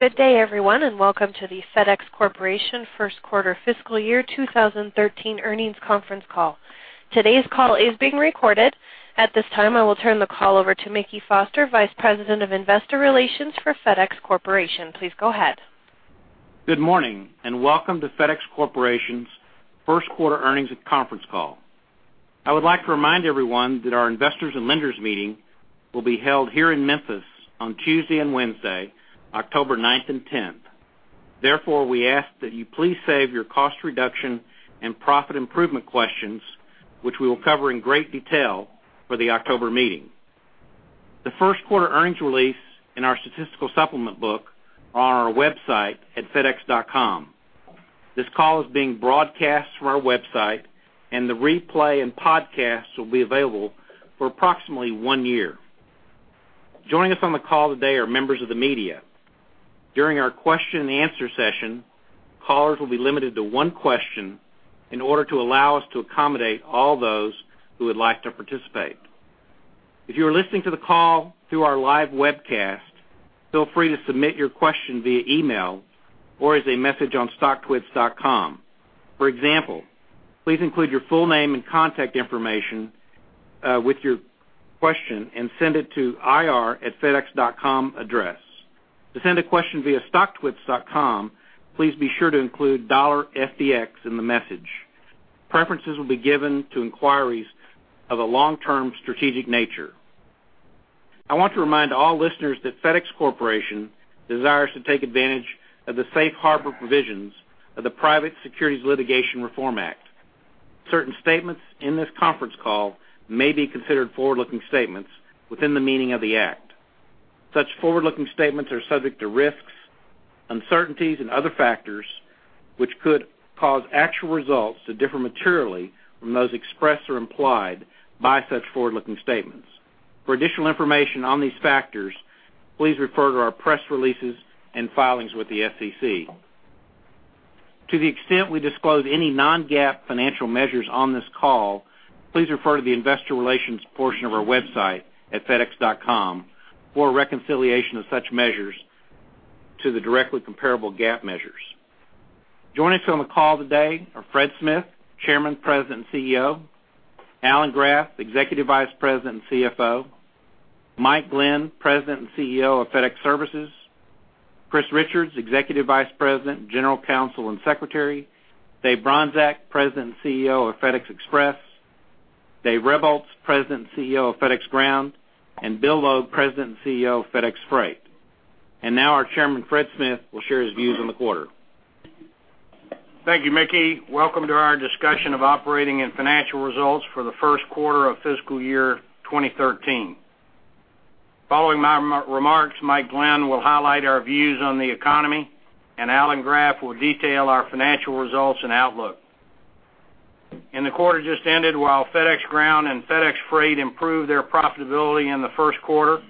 Good day, everyone, and welcome to the FedEx Corporation first quarter fiscal Year 2013 earnings conference call. Today's call is being recorded. At this time, I will turn the call over to Mickey Foster, Vice President of Investor Relations for FedEx Corporation. Please go ahead. Good morning, and welcome to FedEx Corporation's first quarter earnings conference call. I would like to remind everyone that our investors and lenders meeting will be held here in Memphis on Tuesday and Wednesday, October 9th and 10th. Therefore, we ask that you please save your cost reduction and profit improvement questions, which we will cover in great detail, for the October meeting. The first quarter earnings release and our statistical supplement book are on our website at fedex.com. This call is being broadcast from our website, and the replay and podcast will be available for approximately 1 year. Joining us on the call today are members of the media. During our question and answer session, callers will be limited to one question in order to allow us to accommodate all those who would like to participate. If you are listening to the call through our live webcast, feel free to submit your question via email or as a message on Stocktwits.com. For example, please include your full name and contact information with your question and send it to ir@fedex.com address. To send a question via Stocktwits.com, please be sure to include FDX in the message. Preferences will be given to inquiries of a long-term strategic nature. I want to remind all listeners that FedEx Corporation desires to take advantage of the safe harbor provisions of the Private Securities Litigation Reform Act. Certain statements in this conference call may be considered forward-looking statements within the meaning of the Act. Such forward-looking statements are subject to risks, uncertainties and other factors, which could cause actual results to differ materially from those expressed or implied by such forward-looking statements. For additional information on these factors, please refer to our press releases and filings with the SEC. To the extent we disclose any non-GAAP financial measures on this call, please refer to the investor relations portion of our website at FedEx.com for a reconciliation of such measures to the directly comparable GAAP measures. Joining us on the call today are Fred Smith, Chairman, President, and CEO, Alan Graf, Executive Vice President and CFO, Mike Glenn, President and CEO of FedEx Services, Chris Richards, Executive Vice President, General Counsel, and Secretary, Dave Bronczek, President and CEO of FedEx Express, Dave Rebholz, President and CEO of FedEx Ground, and Bill Logue, President and CEO of FedEx Freight. Now, our chairman, Fred Smith, will share his views on the quarter. Thank you, Mickey. Welcome to our discussion of operating and financial results for the first quarter of fiscal year 2013. Following my re-remarks, Mike Glenn will highlight our views on the Economy, and Alan Graf will detail our financial results and outlook. In the quarter just ended, while FedEx Ground and FedEx Freight improved their profitability in the first quarter,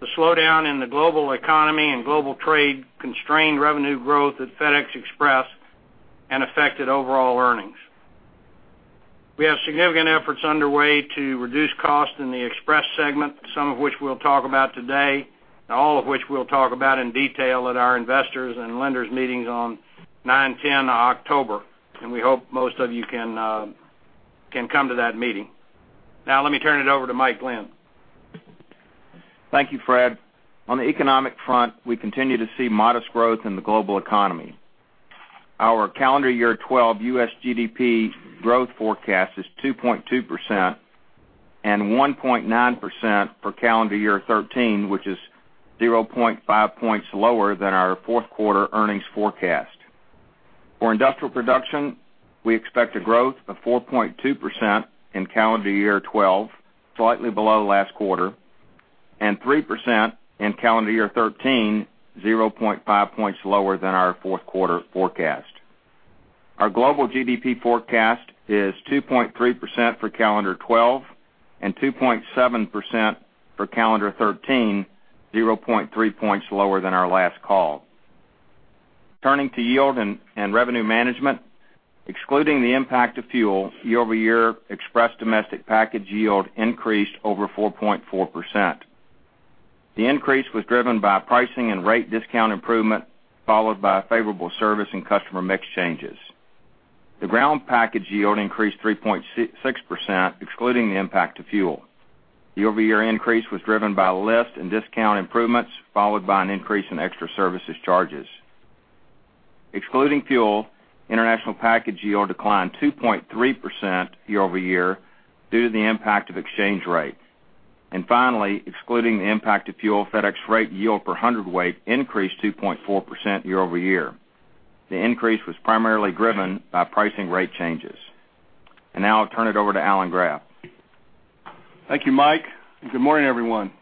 the slowdown in the global economy and global trade constrained revenue growth at FedEx Express and affected overall earnings. We have significant efforts underway to reduce costs in the Express segment, some of which we'll talk about today, and all of which we'll talk about in detail at our investors and lenders meetings on 9, 10 October, and we hope most of you can come to that meeting. Now, let me turn it over to Mike Glenn. Thank you, Fred. On the economic front, we continue to see modest growth in the global economy. Our calendar year 2012 U.S. GDP growth forecast is 2.2%, and 1.9% for calendar year 2013, which is 0.5 points lower than our fourth quarter earnings forecast. For industrial production, we expect a growth of 4.2% in calendar year 2012, slightly below last quarter, and 3% in calendar year 2013, 0.5 points lower than our fourth quarter forecast. Our global GDP forecast is 2.3% for calendar 2012, and 2.7% for calendar 2013, 0.3 points lower than our last call. Turning to yield and revenue management. Excluding the impact of fuel, year-over-year Express domestic package yield increased over 4.4%. The increase was driven by pricing and rate discount improvement, followed by a favorable service and customer mix changes. The Ground package yield increased 3.66%, excluding the impact of fuel. The year-over-year increase was driven by list and discount improvements, followed by an increase in extra services charges. Excluding fuel, international package yield declined 2.3% year-over-year due to the impact of exchange rates. And finally, excluding the impact of fuel, FedEx Freight yield per hundredweight increased 2.4% year-over-year. The increase was primarily driven by pricing and rate changes. And now I'll turn it over to Alan Graf. Thank you, Mike, and good morning, everyone.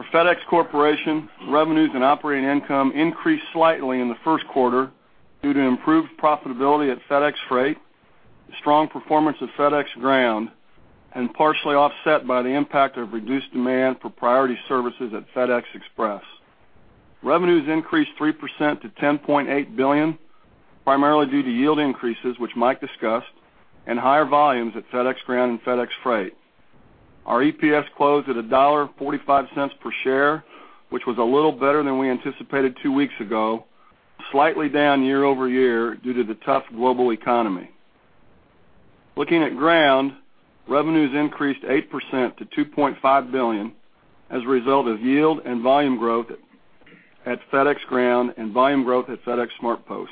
For FedEx Corporation, revenues and operating income increased slightly in the first quarter due to improved profitability at FedEx Freight, strong performance of FedEx Ground, and partially offset by the impact of reduced demand for Priority services at FedEx Express. Revenues increased 3% to $10.8 billion, primarily due to yield increases, which Mike discussed, and higher volumes at FedEx Ground and FedEx Freight. Our EPS closed at $1.45 per share, which was a little better than we anticipated two weeks ago, slightly down year-over-year due to the tough global economy. Looking at Ground, revenues increased 8% to $2.5 billion as a result of yield and volume growth at FedEx Ground and volume growth at FedEx SmartPost.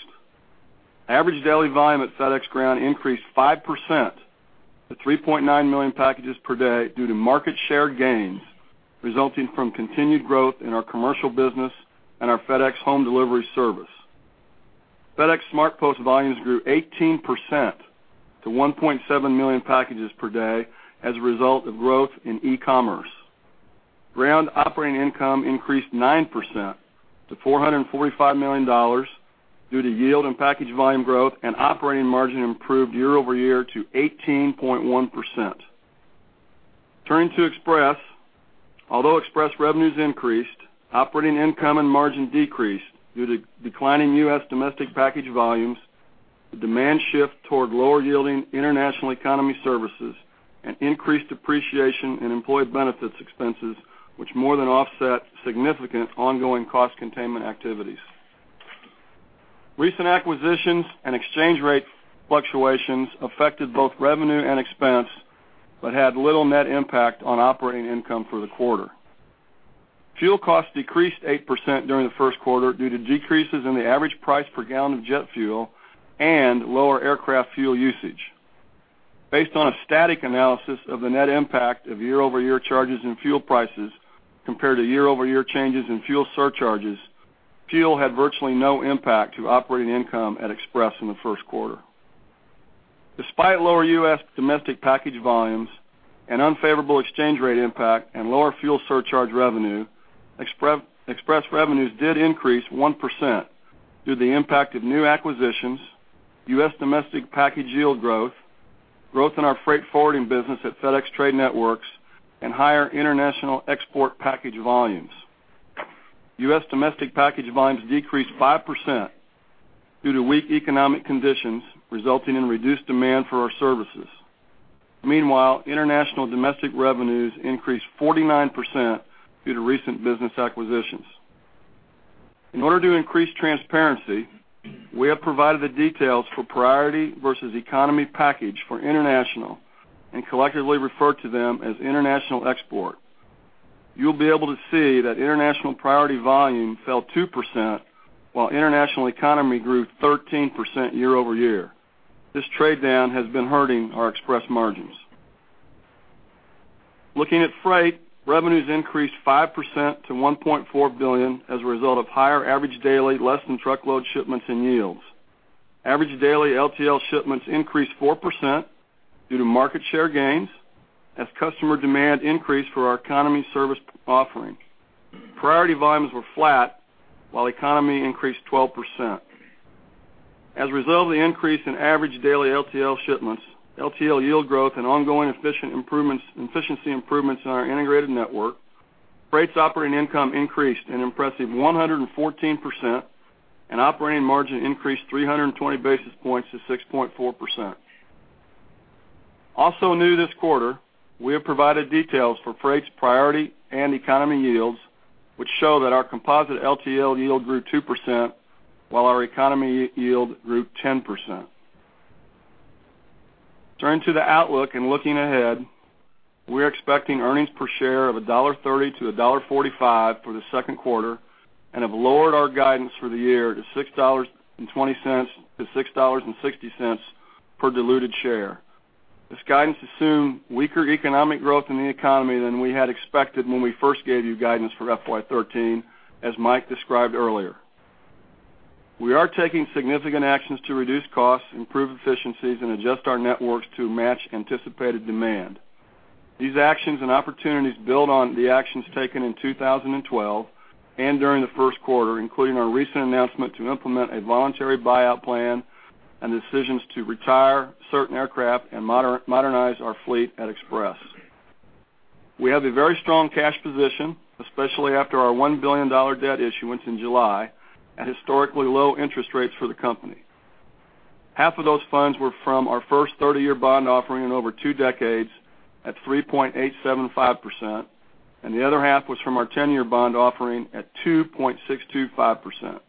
Average daily volume at FedEx Ground increased 5% to 3.9 million packages per day due to market share gains, resulting from continued growth in our commercial business and our FedEx Home Delivery service. FedEx SmartPost volumes grew 18% to 1.7 million packages per day as a result of growth in e-commerce. Ground operating income increased 9% to $445 million due to yield and package volume growth, and operating margin improved year-over-year to 18.1%. Turning to Express, although Express revenues increased, operating income and margin decreased due to declining U.S. domestic package volumes, the demand shift toward lower-yielding International Economy services, and increased depreciation in employee benefits expenses, which more than offset significant ongoing cost containment activities. Recent acquisitions and exchange rate fluctuations affected both revenue and expense, but had little net impact on operating income for the quarter. Fuel costs decreased 8% during the first quarter due to decreases in the average price per gallon of jet fuel and lower aircraft fuel usage. Based on a static analysis of the net impact of year-over-year charges in fuel prices compared to year-over-year changes in fuel surcharges, fuel had virtually no impact to operating income at Express in the first quarter. Despite lower U.S. domestic package volumes and unfavorable exchange rate impact and lower fuel surcharge revenue, Express revenues did increase 1% due to the impact of new acquisitions, U.S. domestic package yield growth, growth in our Freight forwarding business at FedEx Trade Networks, and higher International Export package volumes. U.S. domestic package volumes decreased 5% due to weak economic conditions, resulting in reduced demand for our services. Meanwhile, international domestic revenues increased 49% due to recent business acquisitions. In order to increase transparency, we have provided the details for Priority vs economy package for international and collectively refer to them as international export. You'll be able to see that International Priority volume fell 2%, while international economy grew 13% year-over-year. This trade-down has been hurting our Express margins. Looking at Freight, revenues increased 5% to $1.4 billion as a result of higher average daily less-than-truckload shipments and yields. Average daily LTL shipments increased 4% due to market share gains as customer demand increased for our economy service offerings. Priority volumes were flat, while economy increased 12%. As a result of the increase in average daily LTL shipments, LTL yield growth and ongoing efficient improvements, efficiency improvements in our integrated network, Freight's operating income increased an impressive 114%, and operating margin increased 320 basis points to 6.4%. Also new this quarter, we have provided details for Freight's priority and economy yields, which show that our composite LTL yield grew 2%, while our economy yield grew 10%. Turning to the outlook and looking ahead, we're expecting earnings per share of $1.30-$1.45 for the second quarter and have lowered our guidance for the year to $6.20-$6.60 per diluted share. This guidance assumed weaker economic growth in the economy than we had expected when we first gave you guidance for FY 2013, as Mike described earlier. We are taking significant actions to reduce costs, improve efficiencies, and adjust our networks to match anticipated demand. These actions and opportunities build on the actions taken in 2012 and during the first quarter, including our recent announcement to implement a voluntary buyout plan and decisions to retire certain aircraft and modernize our fleet at Express. We have a very strong cash position, especially after our $1 billion debt issuance in July, at historically low interest rates for the company. Half of those funds were from our first 30-year bond offering in over two decades at 3.875%, and the other half was from our 10-year bond offering at 2.625%.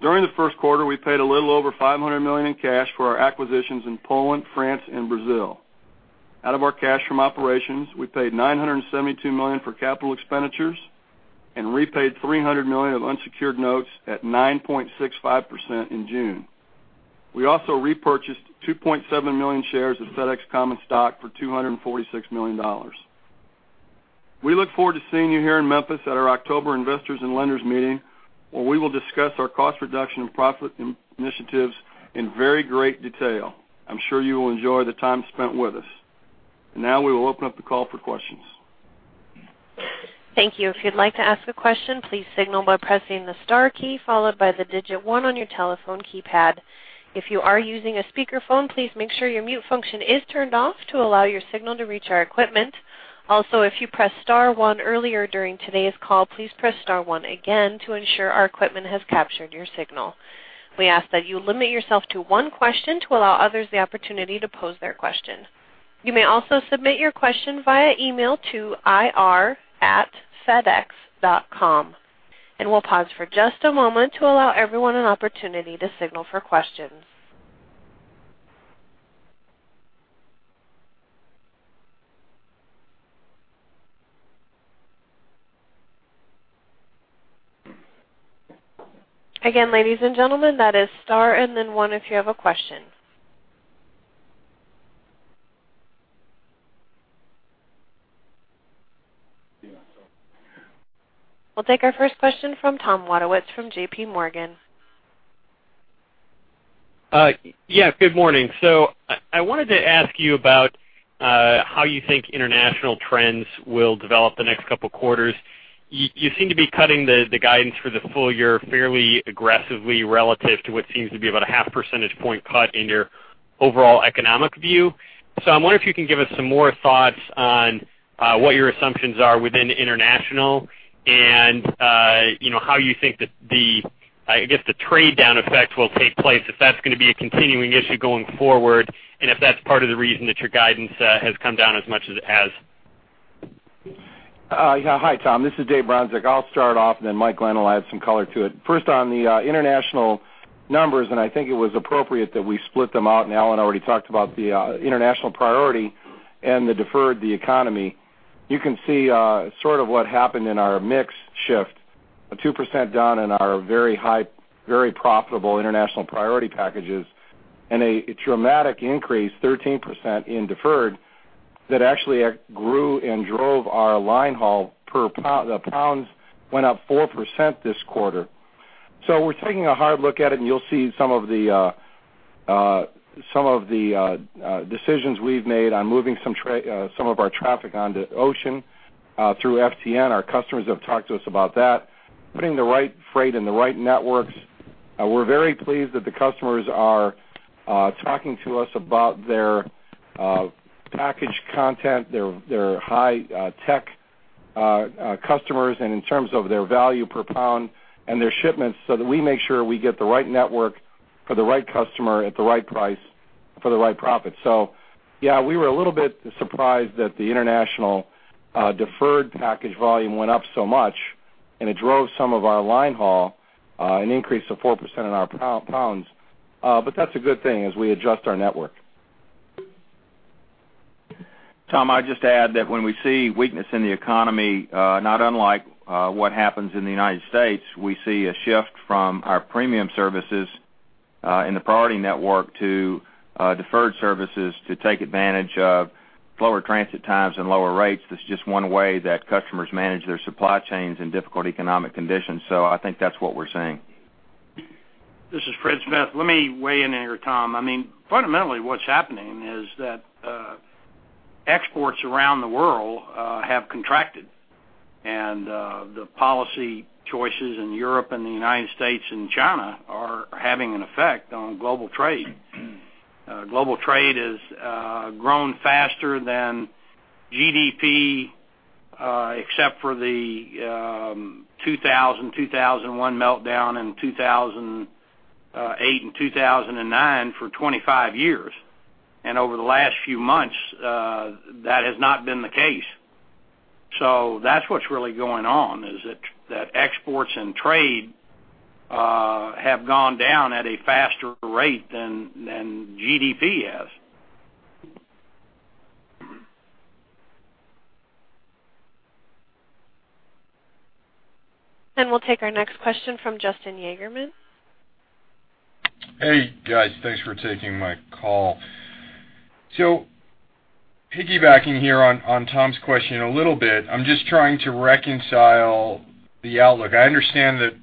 During the first quarter, we paid a little over $500 million in cash for our acquisitions in Poland, France, and Brazil. Out of our cash from operations, we paid $972 million for capital expenditures and repaid $300 million of unsecured notes at 9.65% in June. We also repurchased 2.7 million shares of FedEx common stock for $246 million. We look forward to seeing you here in Memphis at our October investors and lenders meeting, where we will discuss our cost reduction and profit initiatives in very great detail. I'm sure you will enjoy the time spent with us. Now, we will open up the call for questions. Thank you. If you'd like to ask a question, please signal by pressing the star key followed by the digit one on your telephone keypad. If you are using a speakerphone, please make sure your mute function is turned off to allow your signal to reach our equipment. Also, if you pressed star one earlier during today's call, please press star one again to ensure our equipment has captured your signal. We ask that you limit yourself to one question to allow others the opportunity to pose their question. You may also submit your question via email to ir@fedex.com. And we'll pause for just a moment to allow everyone an opportunity to signal for questions. Again, ladies and gentlemen, that is star and then one if you have a question. We'll take our first question from Tom Wadewitz from JPMorgan. Yeah, good morning. So I wanted to ask you about how you think international trends will develop the next couple of quarters. You seem to be cutting the guidance for the full year fairly aggressively, relative to what seems to be about a half percentage point cut in your overall economic view. So I'm wondering if you can give us some more thoughts on what your assumptions are within international and, you know, how you think that, I guess, the trade down effect will take place, if that's gonna be a continuing issue going forward, and if that's part of the reason that your guidance has come down as much as it has. Yeah. Hi, Tom. This is Dave Bronczek. I'll start off, and then Mike Glenn will add some color to it. First, on the international numbers, and I think it was appropriate that we split them out, and Alan already talked about the international priority and the deferred, the economy. You can see, sort of what happened in our mix shift, a 2% down in our very high, very profitable international priority packages, and a dramatic increase, 13%, in deferred that actually grew and drove our linehaul per pound. The pounds went up 4% this quarter. So we're taking a hard look at it, and you'll see some of the decisions we've made on moving some of our traffic onto ocean, through FTN. Our customers have talked to us about that. Putting the right freight in the right networks. We're very pleased that the customers are talking to us about their package content, their high tech customers, and in terms of their value per pound and their shipments, so that we make sure we get the right network for the right customer at the right price for the right profit. So yeah, we were a little bit surprised that the international deferred package volume went up so much, and it drove some of our line haul, an increase of 4% in our pounds. But that's a good thing as we adjust our network. Tom, I'd just add that when we see weakness in the economy, not unlike what happens in the United States, we see a shift from our premium services in the priority network to deferred services to take advantage of lower transit times and lower rates. That's just one way that customers manage their supply chains in difficult economic conditions, so I think that's what we're seeing. This is Fred Smith. Let me weigh in here, Tom. I mean, fundamentally, what's happening is that, exports around the world, have contracted, and, the policy choices in Europe and the United States and China are having an effect on global trade. Global trade is, grown faster than GDP, except for the, 2000, 2001 meltdown in 2008 and 2009 for 25 years. And over the last few months, that has not been the case. So that's what's really going on, is that, that exports and trade, have gone down at a faster rate than, than GDP has. We'll take our next question from Justin [Yagerman]. Hey, guys. Thanks for taking my call. So piggybacking here on Tom's question a little bit, I'm just trying to reconcile the outlook. I understand that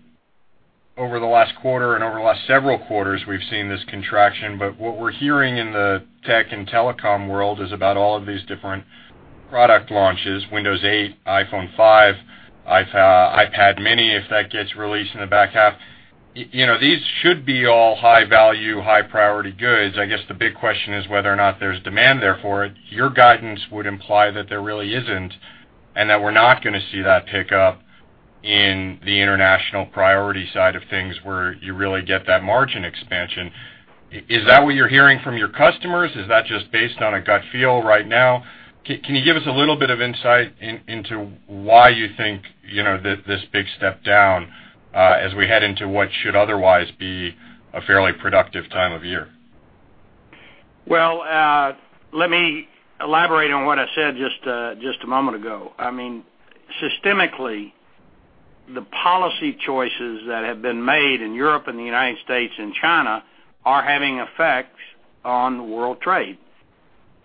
over the last quarter and over the last several quarters, we've seen this contraction, but what we're hearing in the tech and telecom world is about all of these different product launches, Windows 8, iPhone 5, iPad Mini, if that gets released in the back half. You know, these should be all high value, high priority goods. I guess the big question is whether or not there's demand there for it. Your guidance would imply that there really isn't, and that we're not gonna see that pick up in the International Priority side of things, where you really get that margin expansion. Is that what you're hearing from your customers? Is that just based on a gut feel right now? Can you give us a little bit of insight into why you think, you know, that this big step down as we head into what should otherwise be a fairly productive time of year? Well, let me elaborate on what I said just a moment ago. I mean, systemically, the policy choices that have been made in Europe and the United States and China are having effects on world trade.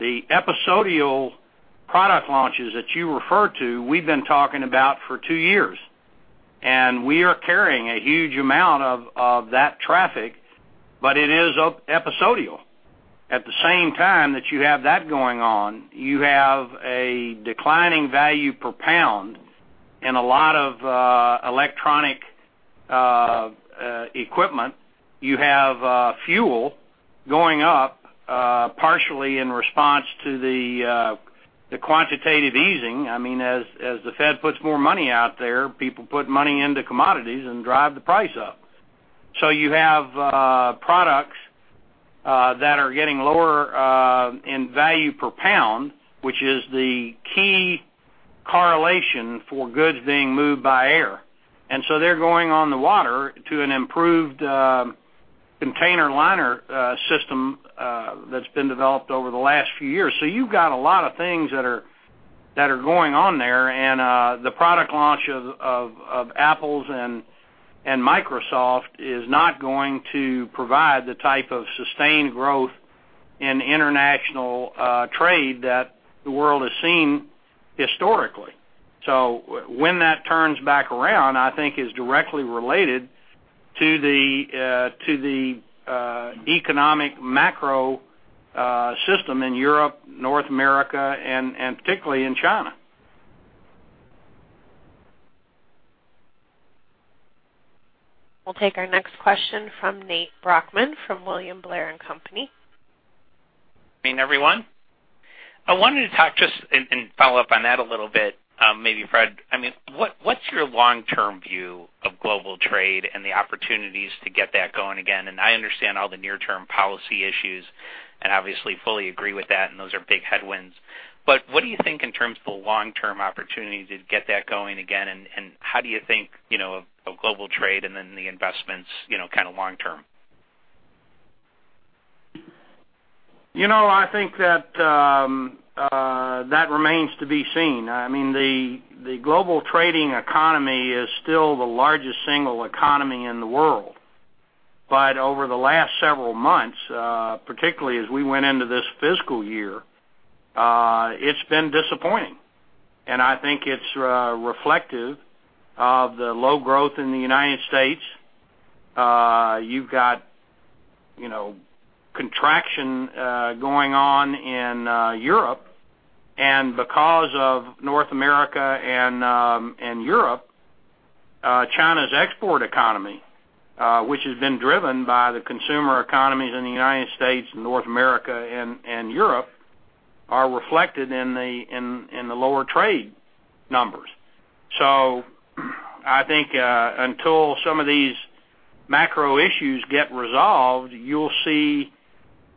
The episodic product launches that you referred to, we've been talking about for two years, and we are carrying a huge amount of that traffic, but it is episodic. At the same time that you have that going on, you have a declining value per pound and a lot of electronic equipment. You have fuel going up, partly in response to the quantitative easing. I mean, as the Fed puts more money out there, people put money into commodities and drive the price up. So you have products that are getting lower in value per pound, which is the key correlation for goods being moved by air. And so they're going on the water to an improved container liner system that's been developed over the last few years. So you've got a lot of things that are going on there, and the product launch of Apple's and Microsoft is not going to provide the type of sustained growth in international trade that the world has seen historically. So when that turns back around, I think is directly related to the economic macro system in Europe, North America, and particularly in China. We'll take our next question from Nate Brochmann from William Blair & Company. Good morning, everyone. I wanted to talk and follow up on that a little bit, maybe, Fred. I mean, what's your long-term view of global trade and the opportunities to get that going again? And I understand all the near-term policy issues, and obviously, fully agree with that, and those are big headwinds. But what do you think in terms of the long-term opportunity to get that going again? And how do you think, you know, of global trade and then the investments, you know, kind of long term? You know, I think that that remains to be seen. I mean, the global trading economy is still the largest single economy in the world. But over the last several months, particularly as we went into this fiscal year, it's been disappointing. And I think it's reflective of the low growth in the United States. You've got, you know, contraction going on in Europe. And because of North America and Europe, China's export economy, which has been driven by the consumer economies in the United States, North America, and Europe, are reflected in the lower trade numbers. So I think until some of these macro issues get resolved, you'll see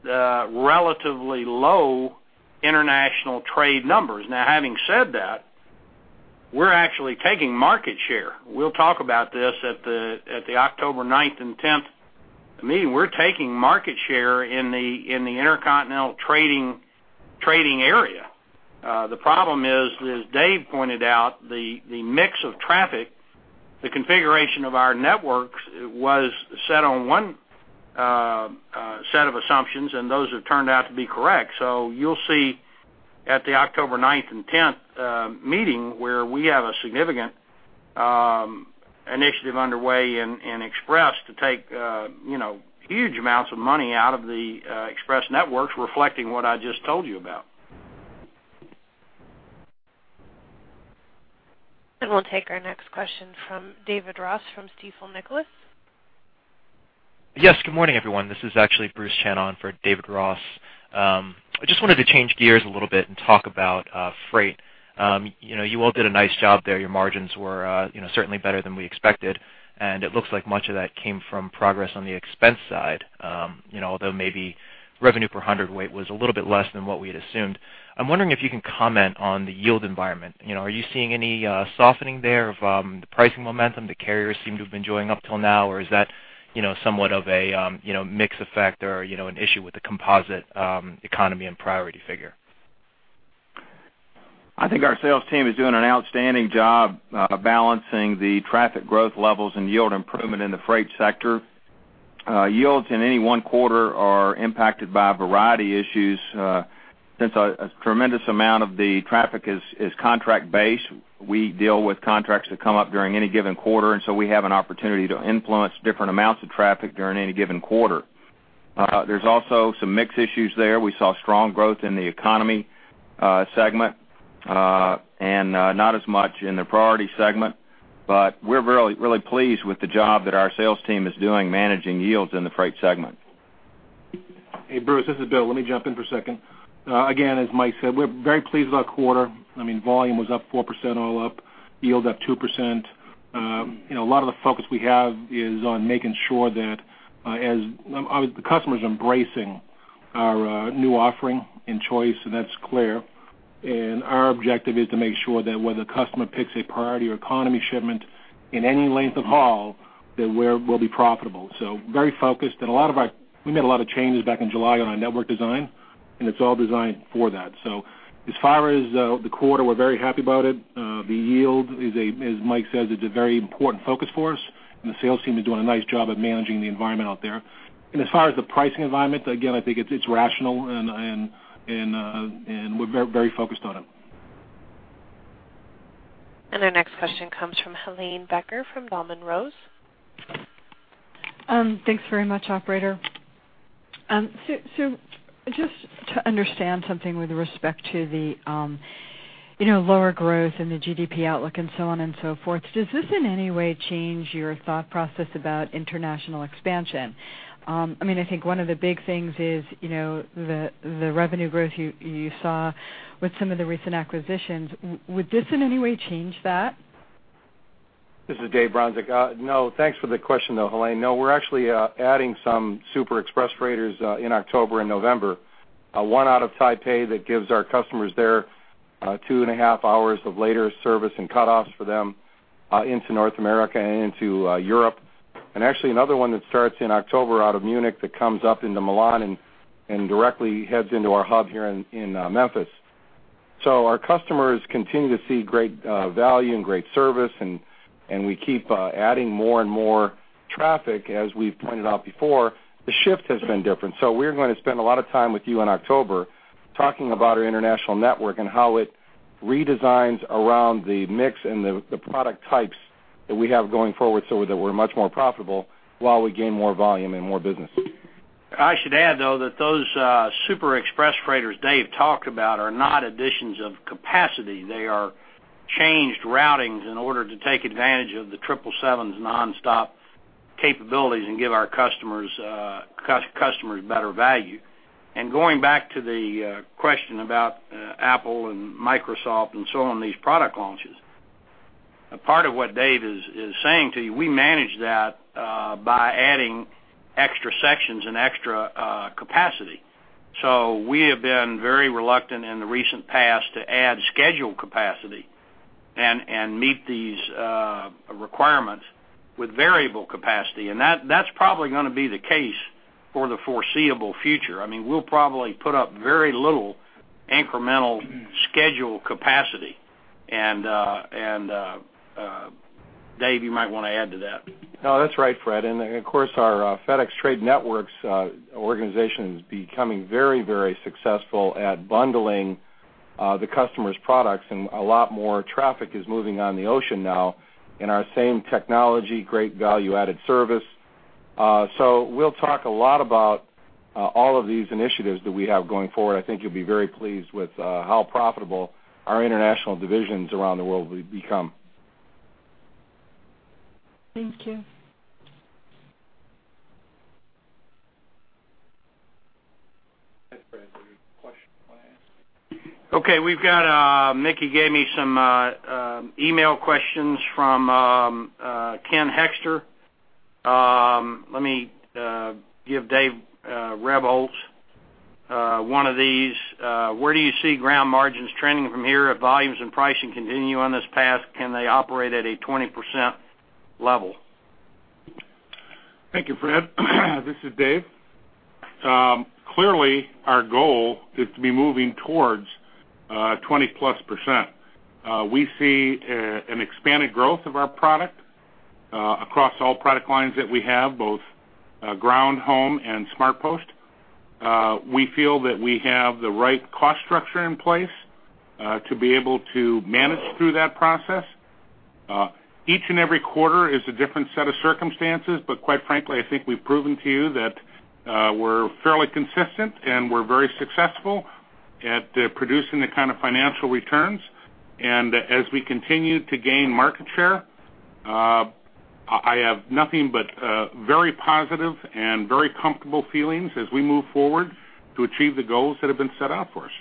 relatively low international trade numbers. Now, having said that, we're actually taking market share. We'll talk about this at the October 9th and 10th meeting. We're taking market share in the intercontinental trading area. The problem is, as Dave pointed out, the mix of traffic, the configuration of our networks was set on one set of assumptions, and those have turned out to be correct. So you'll see at the October ninth and tenth meeting, where we have a significant initiative underway in Express to take, you know, huge amounts of money out of the Express networks, reflecting what I just told you about. We'll take our next question from David Ross from Stifel Nicolaus. Yes, good morning, everyone. This is actually Bruce Chan for David Ross. I just wanted to change gears a little bit and talk about freight. You know, you all did a nice job there. Your margins were, you know, certainly better than we expected, and it looks like much of that came from progress on the expense side. You know, although maybe revenue per 100 weight was a little bit less than what we had assumed. I'm wondering if you can comment on the yield environment. You know, are you seeing any softening there of the pricing momentum the carriers seem to have been joining up till now? Or is that, you know, somewhat of a mix effect or, you know, an issue with the composite economy and priority figure? I think our sales team is doing an outstanding job, balancing the traffic growth levels and yield improvement in the freight sector. Yields in any one quarter are impacted by a variety of issues. Since a tremendous amount of the traffic is contract-based, we deal with contracts that come up during any given quarter, and so we have an opportunity to influence different amounts of traffic during any given quarter. There's also some mix issues there. We saw strong growth in the economy segment, and not as much in the priority segment. But we're really, really pleased with the job that our sales team is doing, managing yields in the freight segment. Hey, Bruce, this is Bill. Let me jump in for a second. Again, as Mike said, we're very pleased with our quarter. I mean, volume was up 4% all up, yield up 2%. You know, a lot of the focus we have is on making sure that, as obvious, the customer is embracing our new offering in choice, and that's clear. And our objective is to make sure that whether the customer picks a priority or economy shipment in any length of haul, that we'll be profitable. So very focused, and a lot of our. We made a lot of changes back in July on our network design, and it's all designed for that. So as far as the quarter, we're very happy about it. The yield is, as Mike says, it's a very important focus for us, and the sales team is doing a nice job at managing the environment out there. And as far as the pricing environment, again, I think it's rational, and we're very, very focused on it. Our next question comes from Helane Becker, from Dahlman Rose. Thanks very much, operator. So just to understand something with respect to the, You know, lower growth in the GDP outlook and so on and so forth. Does this in any way change your thought process about international expansion? I mean, I think one of the big things is, you know, the revenue growth you saw with some of the recent acquisitions. Would this in any way change that? This is Dave Bronczek. No, thanks for the question, though, Helane. No, we're actually adding some super express freighters in October and November. One out of Taipei that gives our customers there 2.5 hours of later service and cutoffs for them into North America and into Europe. And actually, another one that starts in October out of Munich that comes up into Milan and directly heads into our hub here in Memphis. So our customers continue to see great value and great service, and we keep adding more and more traffic. As we've pointed out before, the shift has been different. So we're going to spend a lot of time with you in October talking about our international network and how it redesigns around the mix and the product types that we have going forward so that we're much more profitable while we gain more volume and more business. I should add, though, that those super express freighters Dave talked about are not additions of capacity. They are changed routings in order to take advantage of the 777s nonstop capabilities and give our customers better value. And going back to the question about Apple and Microsoft and so on, these product launches, a part of what Dave is saying to you, we manage that by adding extra sections and extra capacity. So we have been very reluctant in the recent past to add schedule capacity and meet these requirements with variable capacity. And that's probably gonna be the case for the foreseeable future. I mean, we'll probably put up very little incremental schedule capacity. And Dave, you might want to add to that. No, that's right, Fred. And, of course, our FedEx Trade Networks organization is becoming very, very successful at bundling the customer's products, and a lot more traffic is moving on the ocean now, and our same technology, great value-added service. So we'll talk a lot about all of these initiatives that we have going forward. I think you'll be very pleased with how profitable our international divisions around the world will become. Thank you. Fred, is there any question you want to ask? Okay, we've got Mickey gave me some email questions from Ken Hoexter. Let me give Dave Rebholz one of these. Where do you see ground margins trending from here? If volumes and pricing continue on this path, can they operate at a 20% level? Thank you, Fred. This is Dave. Clearly, our goal is to be moving towards 20%+. We see an expanded growth of our product across all product lines that we have, both Ground, Home, and SmartPost. We feel that we have the right cost structure in place to be able to manage through that process. Each and every quarter is a different set of circumstances, but quite frankly, I think we've proven to you that we're fairly consistent, and we're very successful at producing the kind of financial returns. And as we continue to gain market share, I have nothing but very positive and very comfortable feelings as we move forward to achieve the goals that have been set out for us.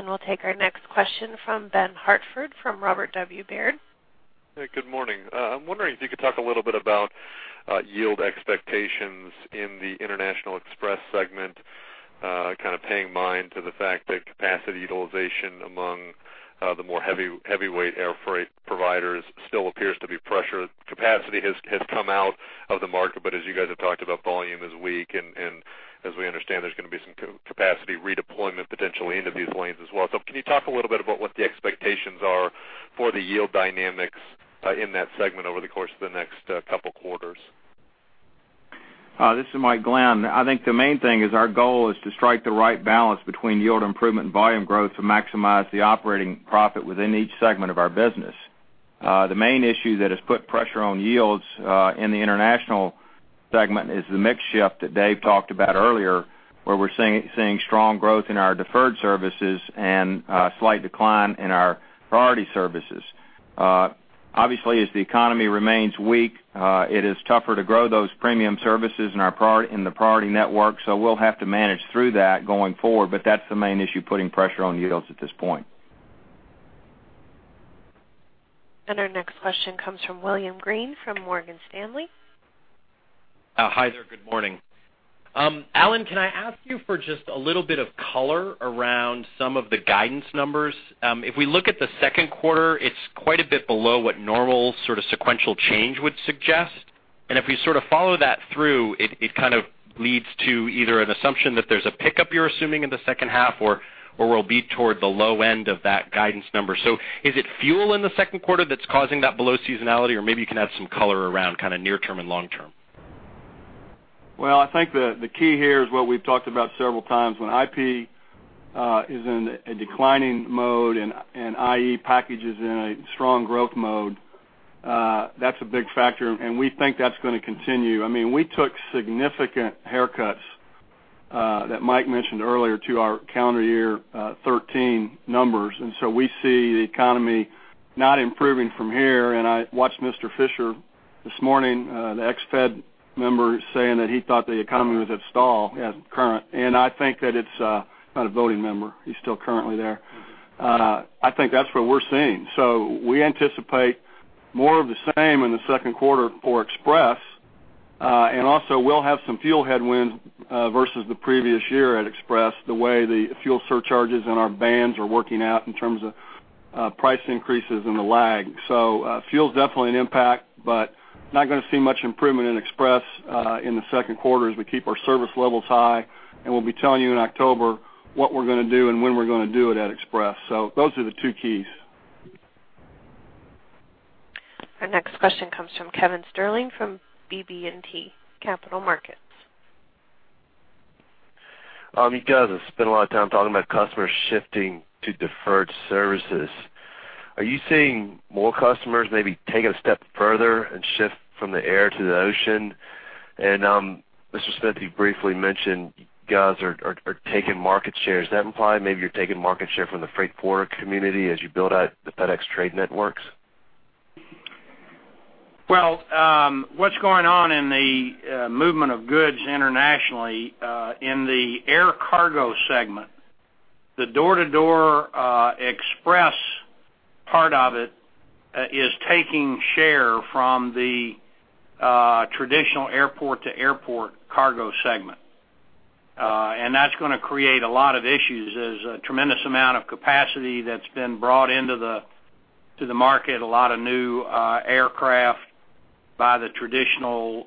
We'll take our next question from Ben Hartford from Robert W. Baird. Hey, good morning. I'm wondering if you could talk a little bit about yield expectations in the International Express segment, kind of paying mind to the fact that capacity utilization among the more heavy heavyweight air freight providers still appears to be pressure. Capacity has come out of the market, but as you guys have talked about, volume is weak, and as we understand, there's going to be some capacity redeployment potentially into these lanes as well. So can you talk a little bit about what the expectations are for the yield dynamics in that segment over the course of the next couple quarters? This is Mike Glenn. I think the main thing is our goal is to strike the right balance between yield improvement and volume growth to maximize the operating profit within each segment of our business. The main issue that has put pressure on yields in the international segment is the mix shift that Dave talked about earlier, where we're seeing strong growth in our deferred services and slight decline in our priority services. Obviously, as the economy remains weak, it is tougher to grow those premium services in our priority, in the priority network, so we'll have to manage through that going forward. But that's the main issue, putting pressure on yields at this point. And our next question comes from William Green, from Morgan Stanley. Hi there. Good morning. Alan, can I ask you for just a little bit of color around some of the guidance numbers? If we look at the second quarter, it's quite a bit below what normal sort of sequential change would suggest. And if we sort of follow that through, it kind of leads to either an assumption that there's a pickup you're assuming in the second half or we'll be toward the low end of that guidance number. So is it fuel in the second quarter that's causing that below seasonality? Or maybe you can add some color around kind of near term and long term. Well, I think the key here is what we've talked about several times. When IP is in a declining mode, and IE package is in a strong growth mode, that's a big factor, and we think that's gonna continue. I mean, we took significant haircuts that Mike mentioned earlier to our calendar year 2013 numbers. And so we see the economy not improving from here. And I watched Mr. Fisher this morning, the ex-Fed member, saying that he thought the economy was at stall as current. And I think that it's not a voting member. He's still currently there. I think that's what we're seeing. So we anticipate more of the same in the second quarter for Express. And also, we'll have some fuel headwinds vs the previous year at Express, the way the fuel surcharges and our bands are working out in terms of price increases and the lag. So, fuel's definitely an impact, but not gonna see much improvement in Express in the second quarter as we keep our service levels high. And we'll be telling you in October what we're gonna do and when we're gonna do it at Express. So those are the two keys. Our next question comes from Kevin Sterling, from BB&T Capital Markets. You guys have spent a lot of time talking about customers shifting to deferred services. Are you seeing more customers maybe take it a step further and shift from the air to the ocean? Mr. Smith, you briefly mentioned you guys are taking market share. Does that imply maybe you're taking market share from the Freight forward community as you build out the FedEx Trade Networks? Well, what's going on in the movement of goods internationally in the air cargo segment, the door-to-door express part of it is taking share from the traditional airport-to-airport cargo segment. And that's gonna create a lot of issues. There's a tremendous amount of capacity that's been brought into the market, a lot of new aircraft by the traditional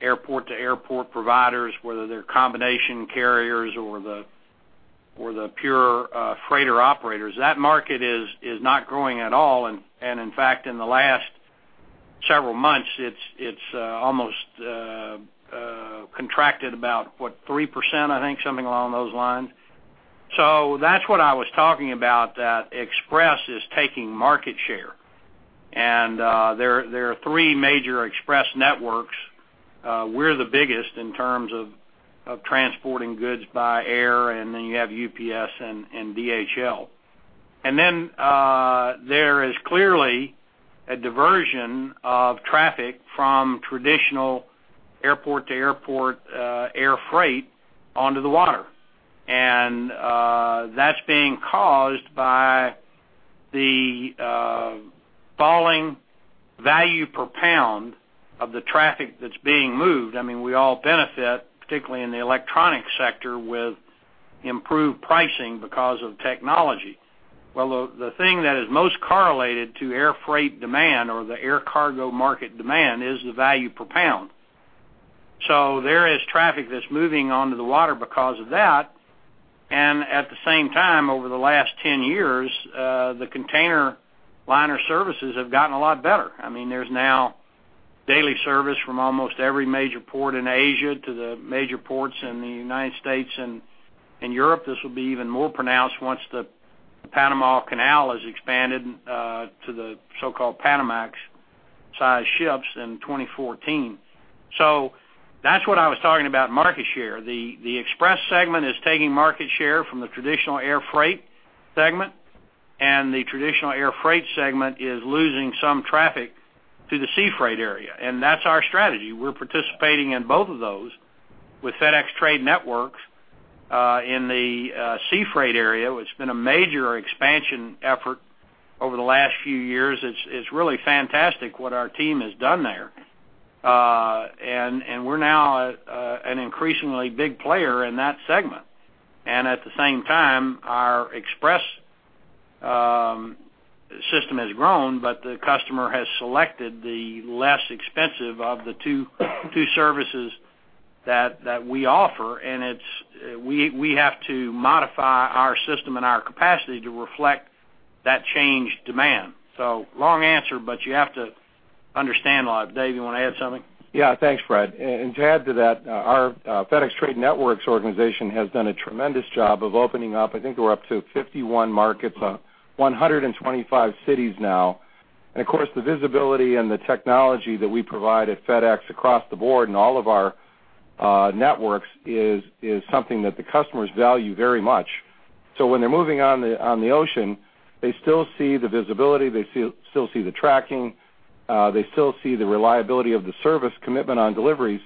airport-to-airport providers, whether they're combination carriers or the pure Freighter operators. That market is not growing at all, and in fact, in the last several months, it's almost contracted about 3%, I think, something along those lines. So that's what I was talking about, that Express is taking market share. And there are three major Express networks. We're the biggest in terms of, of transporting goods by air, and then you have UPS and, and DHL. And then, there is clearly a diversion of traffic from traditional airport-to-airport air freight onto the water. And, that's being caused by the, falling value per pound of the traffic that's being moved. I mean, we all benefit, particularly in the electronic sector, with improved pricing because of technology. Well, the, the thing that is most correlated to air freight demand or the air cargo market demand, is the value per pound. So there is traffic that's moving onto the water because of that, and at the same time, over the last 10 years, the container liner services have gotten a lot better. I mean, there's now daily service from almost every major port in Asia to the major ports in the United States and in Europe. This will be even more pronounced once the Panama Canal is expanded to the so-called Panamax size ships in 2014. So that's what I was talking about, market share. The, the Express segment is taking market share from the traditional air freight segment, and the traditional air freight segment is losing some traffic to the sea freight area, and that's our strategy. We're participating in both of those with FedEx Trade Networks in the sea freight area, which has been a major expansion effort over the last few years. It's, it's really fantastic what our team has done there. And, and we're now an increasingly big player in that segment. At the same time, our Express system has grown, but the customer has selected the less expensive of the two, two services that we offer, and it's, we have to modify our system and our capacity to reflect that changed demand. So long answer, but you have to understand a lot. Dave, you want to add something? Yeah. Thanks, Fred. And to add to that, our FedEx Trade Networks organization has done a tremendous job of opening up. I think we're up to 51 markets, 125 cities now. And of course, the visibility and the technology that we provide at FedEx across the board in all of our networks is something that the customers value very much. So when they're moving on the ocean, they still see the visibility, they still see the tracking, they still see the reliability of the service commitment on deliveries.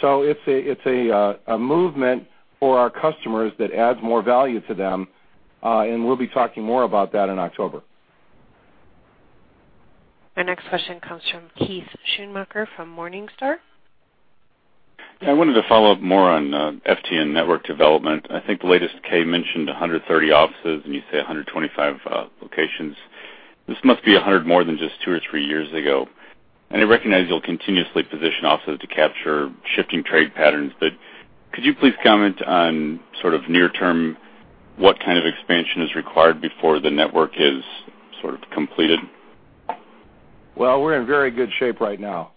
So it's a movement for our customers that adds more value to them, and we'll be talking more about that in October. Our next question comes from Keith Schoonmaker, from Morningstar. I wanted to follow up more on, FTN network development. I think the latest K mentioned 130 offices, and you say 125, locations. This must be 100 more than just two or three years ago. And I recognize you'll continuously position offices to capture shifting trade patterns, but could you please comment on sort of near term, what kind of expansion is required before the network is sort of completed? Well, we're in very good shape right now.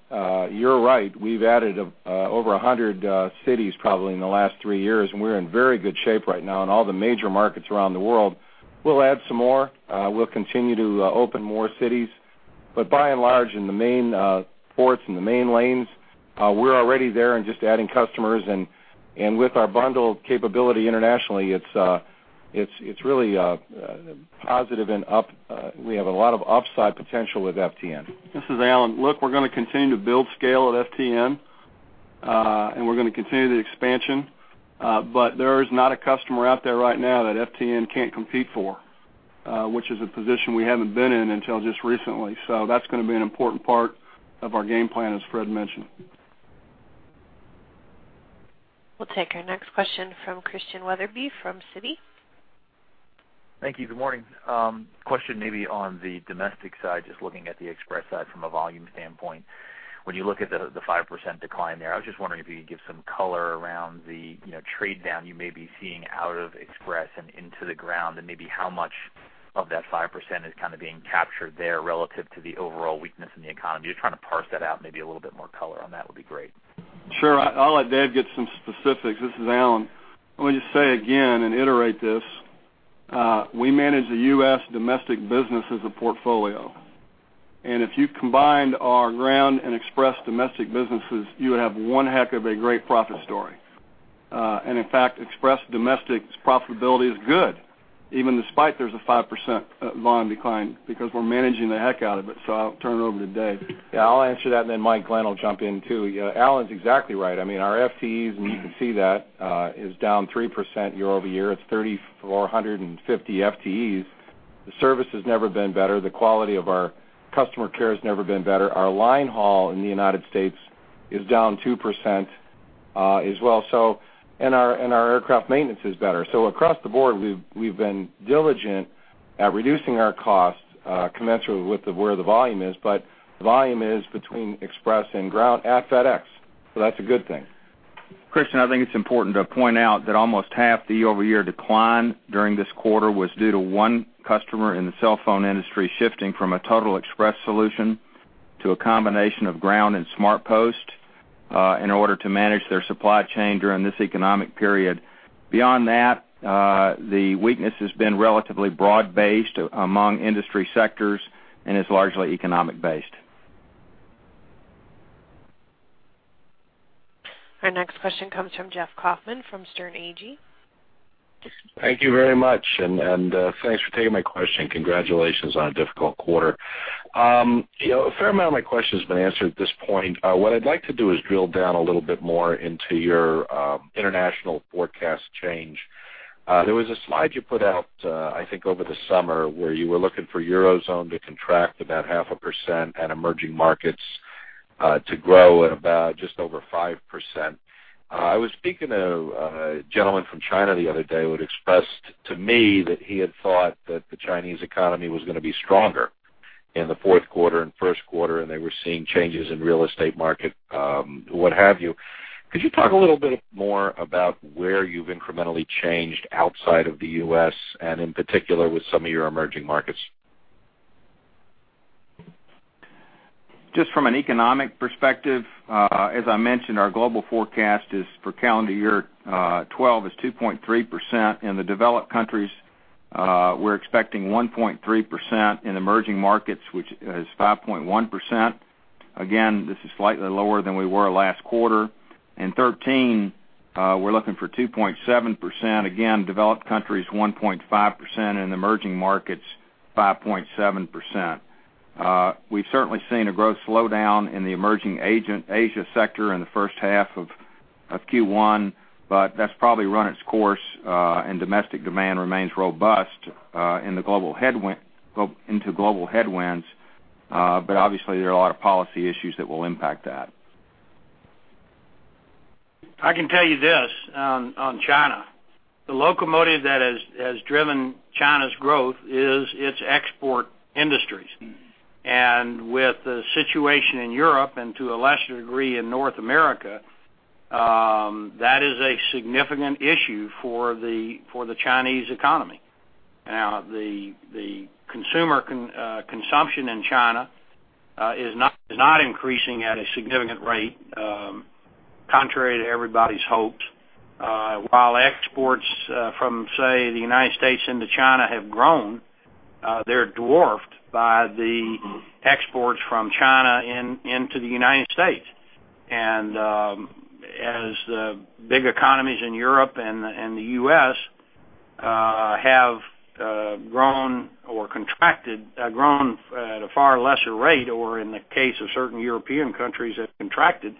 You're right, we've added over 100 cities probably in the last three years, and we're in very good shape right now in all the major markets around the world. We'll add some more. We'll continue to open more cities. But by and large, in the main ports and the main lanes, we're already there and just adding customers, and, and with our bundled capability internationally, it's really positive and up. We have a lot of upside potential with FTN. This is Alan. Look, we're gonna continue to build scale at FTN, and we're gonna continue the expansion. But there is not a customer out there right now that FTN can't compete for, which is a position we haven't been in until just recently. So that's gonna be an important part of our game plan, as Fred mentioned. We'll take our next question from Christian Weatherbee, from Citi. Thank you. Good morning. Question maybe on the domestic side, just looking at the Express side from a volume standpoint. When you look at the, the 5% decline there, I was just wondering if you could give some color around the, you know, trade down you may be seeing out of Express and into the ground, and maybe how much of that 5% is kind of being captured there relative to the overall weakness in the economy? Just trying to parse that out, maybe a little bit more color on that would be great. Sure. I'll let Dave get some specifics. This is Alan. Let me just say again and iterate this, we manage the U.S. domestic business as a portfolio, and if you combined our Ground and Express domestic businesses, you would have one heck of a great profit story. And in fact, Express domestic's profitability is good, even despite there's a 5%, volume decline because we're managing the heck out of it. So I'll turn it over to Dave. Yeah, I'll answer that, and then Mike Glenn will jump in, too. Yeah, Alan's exactly right. I mean, our FTEs, and you can see that, is down 3% year-over-year. It's 3,450 FTEs. The service has never been better. The quality of our customer care has never been better. Our line haul in the United States is down 2%, as well, so... And our, and our aircraft maintenance is better. So across the board, we've, we've been diligent at reducing our costs, commensurate with the, where the volume is, but the volume is between Express and Ground at FedEx, so that's a good thing. Christian, I think it's important to point out that almost half the year-over-year decline during this quarter was due to one customer in the cell phone industry shifting from a total Express solution to a combination of ground and SmartPost, in order to manage their supply chain during this economic period. Beyond that, the weakness has been relatively broad-based among industry sectors and is largely economic-based. Our next question comes from Jeff Kauffman from Sterne Agee. Thank you very much, thanks for taking my question. Congratulations on a difficult quarter. You know, a fair amount of my question has been answered at this point. What I'd like to do is drill down a little bit more into your international forecast change. There was a slide you put out, I think over the summer, where you were looking for Eurozone to contract about 0.5% and emerging markets to grow at about just over 5%. I was speaking to a gentleman from China the other day who had expressed to me that he had thought that the Chinese economy was gonna be stronger in the fourth quarter and first quarter, and they were seeing changes in real estate market, what have you. Could you talk a little bit more about where you've incrementally changed outside of the U.S. and in particular with some of your emerging markets? Just from an economic perspective, as I mentioned, our global forecast is for calendar year 2012 is 2.3%. In the developed countries, we're expecting 1.3%. In emerging markets, which is 5.1%. Again, this is slightly lower than we were last quarter. In 2013, we're looking for 2.7%. Again, developed countries, 1.5%, and emerging markets, 5.7%. We've certainly seen a growth slowdown in the emerging Asia sector in the first half of Q1, but that's probably run its course, and domestic demand remains robust into global headwinds, but obviously, there are a lot of policy issues that will impact that. I can tell you this, on China. The locomotive that has driven China's growth is its export industries. With the situation in Europe, and to a lesser degree, in North America, that is a significant issue for the Chinese economy. Now, the consumer consumption in China is not increasing at a significant rate, contrary to everybody's hopes. While exports from, say, the United States into China have grown, they're dwarfed by the exports from China into the United States. As the big economies in Europe and the US have grown or contracted, grown at a far lesser rate, or in the case of certain European countries, have contracted,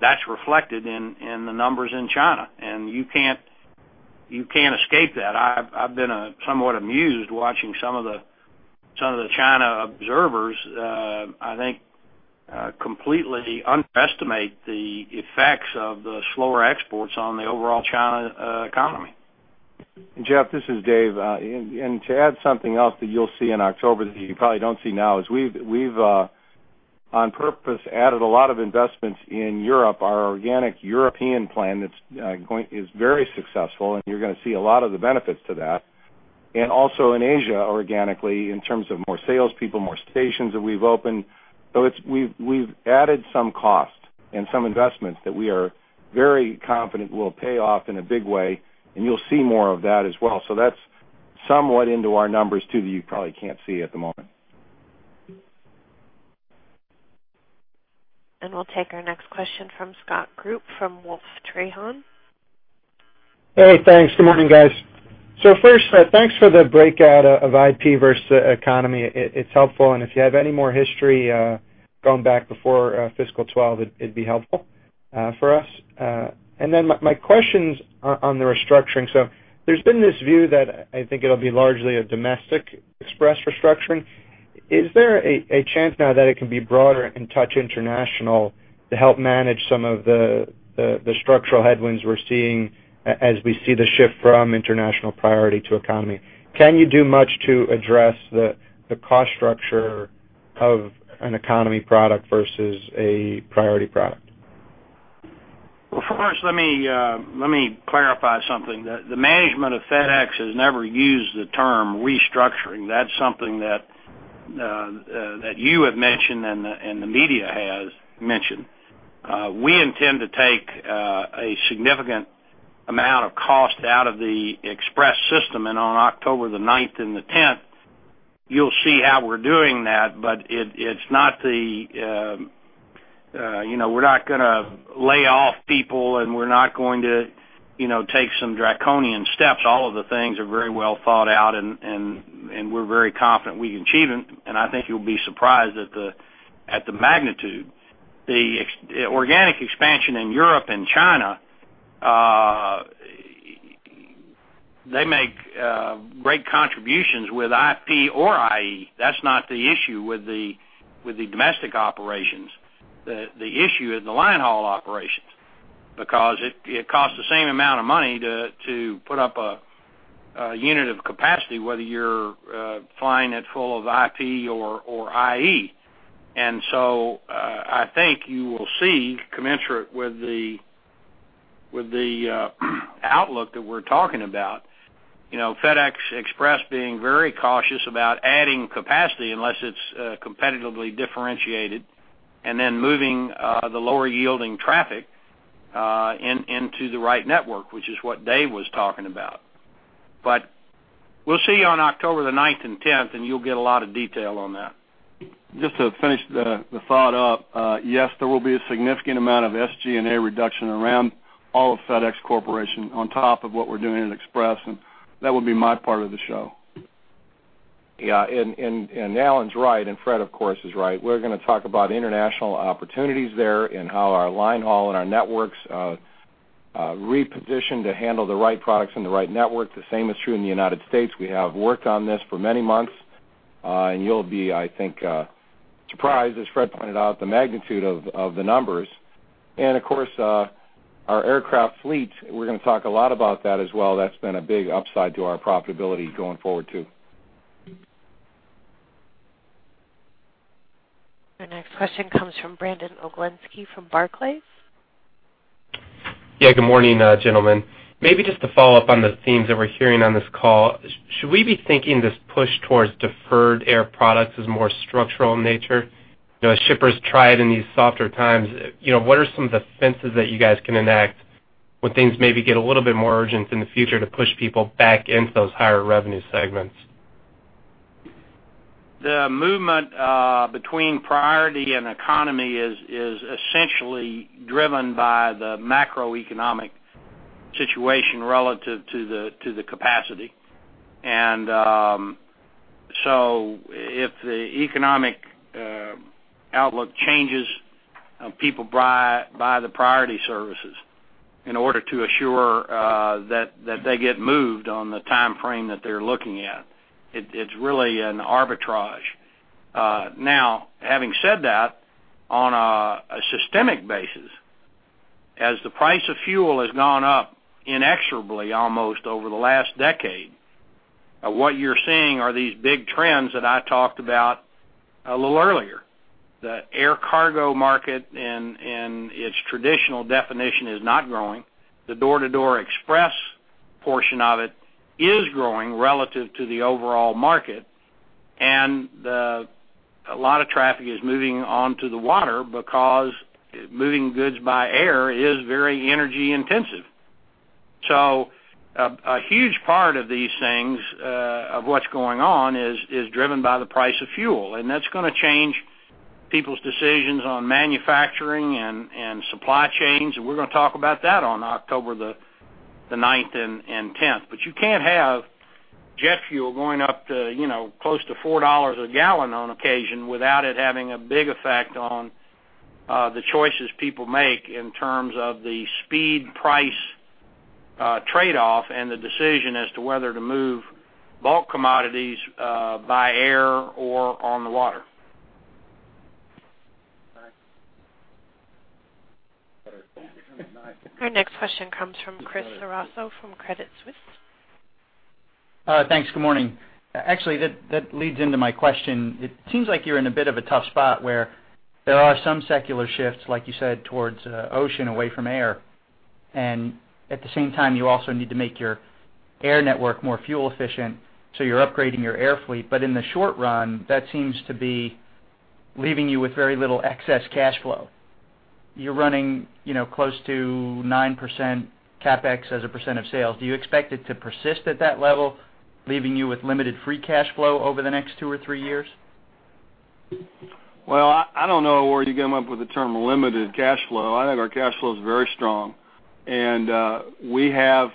that's reflected in the numbers in China, and you can't escape that. I've been somewhat amused watching some of the China observers, I think, completely underestimate the effects of the slower exports on the overall China economy. Jeff, this is Dave. And to add something else that you'll see in October, that you probably don't see now, is we've on purpose added a lot of investments in Europe. Our organic European plan that's going is very successful, and you're gonna see a lot of the benefits to that, and also in Asia, organically, in terms of more sales people, more stations that we've opened. So it's we've added some cost and some investments that we are very confident will pay off in a big way, and you'll see more of that as well. So that's somewhat into our numbers, too, that you probably can't see at the moment. We'll take our next question from Scott Group, from Wolfe Trahan. Hey, thanks. Good morning, guys. So first, Fred, thanks for the breakout of IP vs economy. It's helpful, and if you have any more history going back before fiscal 2012, it'd be helpful for us. And then my questions on the restructuring. So there's been this view that I think it'll be largely a domestic express restructuring. Is there a chance now that it can be broader and touch international to help manage some of the structural headwinds we're seeing as we see the shift from international priority to economy? Can you do much to address the cost structure of an economy product vs a priority product? Well, first, let me, let me clarify something. The management of FedEx has never used the term restructuring. That's something that you have mentioned and the media has mentioned. We intend to take a significant amount of cost out of the express system, and on October the 9th and the 10th, you'll see how we're doing that. But it, it's not the, you know, we're not gonna lay off people, and we're not going to, you know, take some draconian steps. All of the things are very well thought out and we're very confident we can achieve them, and I think you'll be surprised at the magnitude. The ex-organic expansion in Europe and China, they make great contributions with IP or IE. That's not the issue with the domestic operations. The issue is the line haul operations because it costs the same amount of money to put up a unit of capacity, whether you're flying it full of IP or IE. And so I think you will see, commensurate with the outlook that we're talking about, you know, FedEx Express being very cautious about adding capacity unless it's competitively differentiated, and then moving the lower-yielding traffic into the right network, which is what Dave was talking about. But we'll see you on October the 9th and 10th, and you'll get a lot of detail on that. Just to finish up the thought, yes, there will be a significant amount of SG&A reduction around all of FedEx Corporation on top of what we're doing at Express, and that would be my part of the show. Yeah, and Alan's right, and Fred, of course, is right. We're gonna talk about international opportunities there and how our line haul and our networks reposition to handle the right products and the right networks. The same is true in the United States. We have worked on this for many months, and you'll be, I think, surprised, as Fred pointed out, the magnitude of the numbers. And of course, our aircraft fleet, we're gonna talk a lot about that as well. That's been a big upside to our profitability going forward, too. Our next question comes from Brandon Oglenski, from Barclays. Yeah, good morning, gentlemen. Maybe just to follow up on the themes that we're hearing on this call. Should we be thinking this push towards deferred air products is more structural in nature? You know, as shippers try it in these softer times, you know, what are some of the fences that you guys can enact when things maybe get a little bit more urgent in the future to push people back into those higher revenue segments? The movement between priority and economy is essentially driven by the macroeconomic situation relative to the capacity. If the economic outlook changes, people buy the priority services in order to assure that they get moved on the time frame that they're looking at. It's really an arbitrage. Now, having said that, on a systemic basis, as the price of fuel has gone up inexorably, almost over the last decade, what you're seeing are these big trends that I talked about a little earlier. The air cargo market and its traditional definition is not growing. The door-to-door express portion of it is growing relative to the overall market, and a lot of traffic is moving onto the water because moving goods by air is very energy intensive. So, a huge part of these things of what's going on is driven by the price of fuel, and that's gonna change people's decisions on manufacturing and supply chains, and we're gonna talk about that on October the 9th and 10th. But you can't have jet fuel going up to, you know, close to 4 dollars a gallon on occasion without it having a big effect on the choices people make in terms of the speed, price trade-off and the decision as to whether to move bulk commodities by air or on the water. Thanks. Our next question comes from Chris Ceraso from Credit Suisse. Thanks. Good morning. Actually, that, that leads into my question. It seems like you're in a bit of a tough spot where there are some secular shifts, like you said, towards ocean, away from air, and at the same time, you also need to make your air network more fuel efficient, so you're upgrading your air fleet. But in the short run, that seems to be leaving you with very little excess cash flow. You're running, you know, close to 9% CapEx as a percent of sales. Do you expect it to persist at that level, leaving you with limited free cash flow over the next two or three years? Well, I don't know where you come up with the term limited cash flow. I think our cash flow is very strong, and we have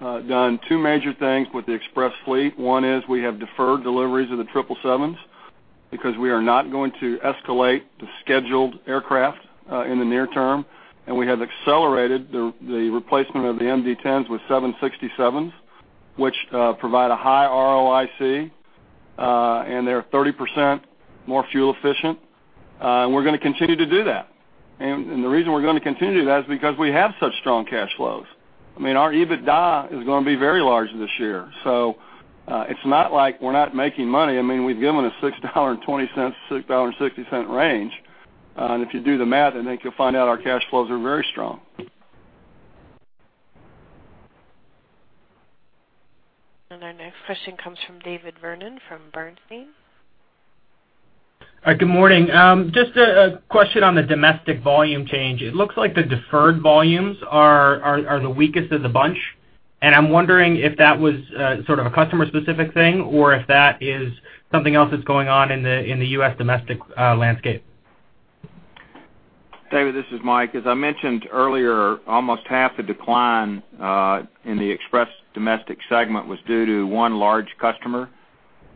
done two major things with the Express fleet. One is we have deferred deliveries of the 777s because we are not going to escalate the scheduled aircraft in the near term, and we have accelerated the replacement of the MD-10s with 767s, which provide a high ROIC and they're 30% more fuel efficient. And we're gonna continue to do that. And the reason we're gonna continue to do that is because we have such strong cash flows. I mean, our EBITDA is gonna be very large this year, so it's not like we're not making money. I mean, we've given a $6.20-$6.60 range, and if you do the math, I think you'll find out our cash flows are very strong. Our next question comes from David Vernon, from Bernstein. Hi, good morning. Just a question on the domestic volume change. It looks like the deferred volumes are the weakest of the bunch, and I'm wondering if that was sort of a customer-specific thing, or if that is something else that's going on in the U.S. domestic landscape. David, this is Mike. As I mentioned earlier, almost half the decline in the Express domestic segment was due to one large customer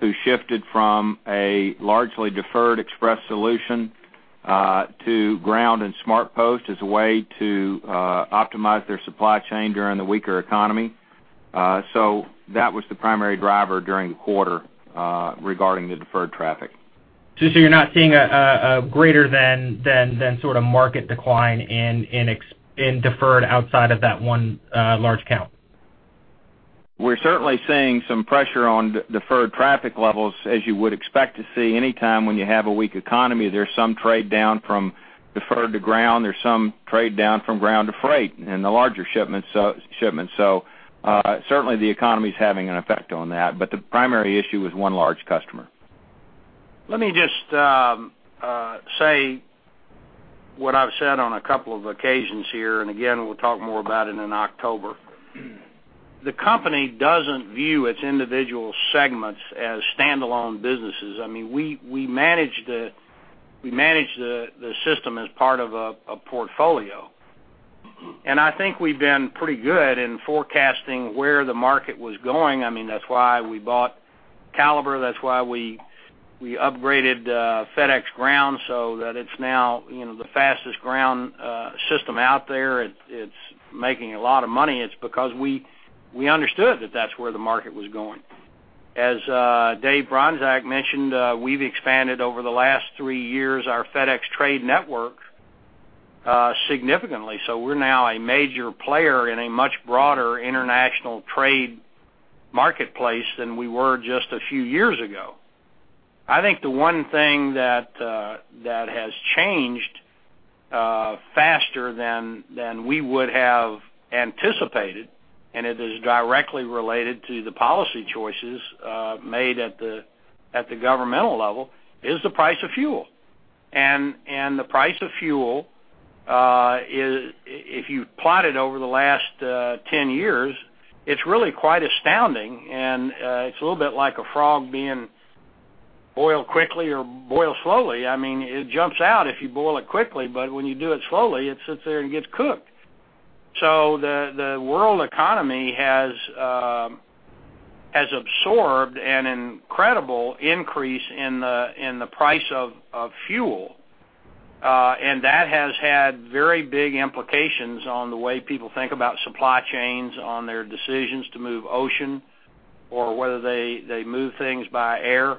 who shifted from a largely deferred Express solution to ground and SmartPost as a way to optimize their supply chain during the weaker economy. So that was the primary driver during the quarter regarding the deferred traffic. So you're not seeing a greater than sort of market decline in Express in deferred outside of that one large count? We're certainly seeing some pressure on deferred traffic levels, as you would expect to see anytime when you have a weak economy. There's some trade down from deferred to ground, there's some trade down from ground to Freight in the larger shipments, shipments. So, certainly the economy is having an effect on that, but the primary issue was one large customer. Let me just say what I've said on a couple of occasions here, and again, we'll talk more about it in October. The company doesn't view its individual segments as standalone businesses. I mean, we manage the system as part of a portfolio. And I think we've been pretty good in forecasting where the market was going. I mean, that's why we bought Caliber, that's why we upgraded FedEx Ground so that it's now, you know, the fastest ground system out there. It's making a lot of money. It's because we understood that that's where the market was going. As Dave Bronczek mentioned, we've expanded over the last three years, our FedEx Trade Network significantly. So we're now a major player in a much broader international trade marketplace than we were just a few years ago. I think the one thing that that has changed faster than than we would have anticipated, and it is directly related to the policy choices made at the at the governmental level, is the price of fuel. And and the price of fuel is. If you plotted over the last 10 years, it's really quite astounding, and it's a little bit like a frog being boiled quickly or boiled slowly. I mean, it jumps out if you boil it quickly, but when you do it slowly, it sits there and gets cooked. So the world economy has absorbed an incredible increase in the price of fuel, and that has had very big implications on the way people think about supply chains, on their decisions to move ocean or whether they move things by air.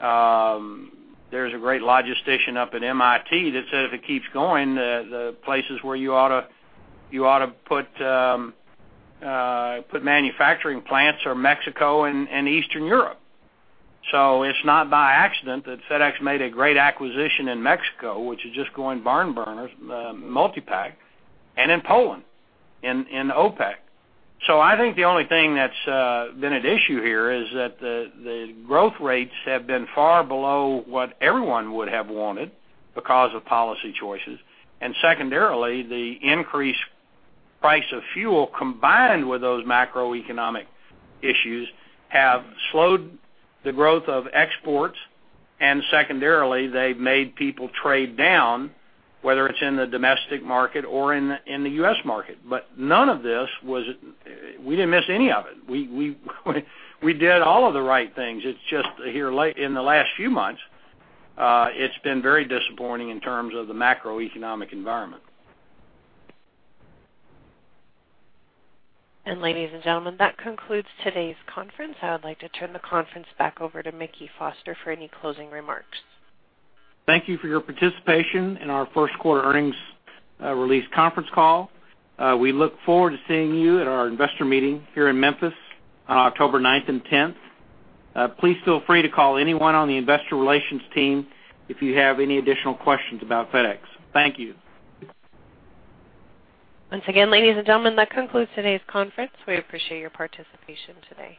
There's a great logistician up at MIT that said, if it keeps going, the places where you ought to put manufacturing plants are Mexico and Eastern Europe. So it's not by accident that FedEx made a great acquisition in Mexico, which is just going gangbusters, MultiPack, and in Poland, in Opek. So I think the only thing that's been at issue here is that the growth rates have been far below what everyone would have wanted because of policy choices. And secondarily, the increased price of fuel, combined with those macroeconomic issues, have slowed the growth of exports, and secondarily, they've made people trade down, whether it's in the domestic market or in the U.S. market. But none of this was. We didn't miss any of it. We did all of the right things. It's just hit late in the last few months; it's been very disappointing in terms of the macroeconomic environment. Ladies and gentlemen, that concludes today's conference. I would like to turn the conference back over to Mickey Foster for any closing remarks. Thank you for your participation in our first quarter earnings, release conference call. We look forward to seeing you at our investor meeting here in Memphis on October 9th and 10th. Please feel free to call anyone on the investor relations team if you have any additional questions about FedEx. Thank you. Once again, ladies and gentlemen, that concludes today's conference. We appreciate your participation today.